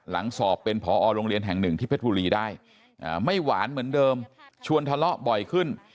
สอบเป็นผอโรงเรียนแห่งหนึ่งที่เพชรบุรีได้ไม่หวานเหมือนเดิมชวนทะเลาะบ่อยขึ้น